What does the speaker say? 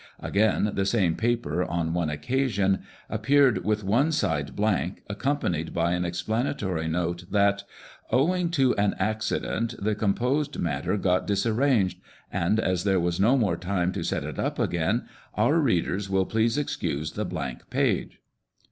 Again, the same paper on one occasion appeared with one side blank, accompanied by an explanatory note that, " Owing to an accident, the com posed matter got disarranged, and as there was no more time to set it up again, our readers will please excuse the olank page."